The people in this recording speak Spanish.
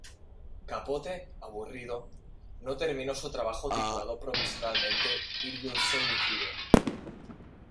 Capote, aburrido, no terminó su trabajo titulado provisionalmente "It Will Soon Be Here".